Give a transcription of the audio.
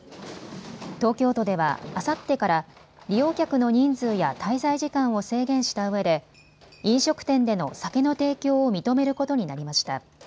東京都では、あさってから利用客の人数や滞在時間を制限したうえで飲食店での酒の提供を認めることになりました。